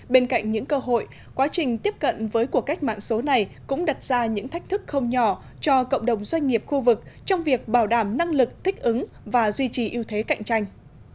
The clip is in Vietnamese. bên cạnh những cơ hội quá trình tiếp cận với cuộc cách mạng số này cũng đặt ra những thách thức không nhỏ cho cộng đồng doanh nghiệp khu vực trong việc bảo đảm năng lực thích ứng và duy trì ưu thế cạnh tranh